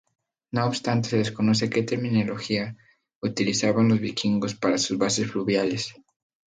No obstante, se desconoce que terminología utilizaban los vikingos para sus bases fluviales.